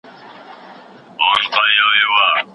ماشومانو ته د قلم او کتابچې ارزښت وښایئ.